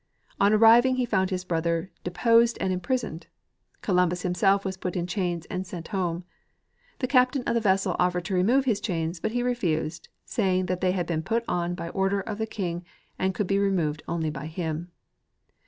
On arriving he found his brother deposed and imprisoned. Columbus himself was put in chains and sent home. The captain of the vessel offered to remove his chains, but he refused, saying that they had been put on by order of the king and could be removed only by him.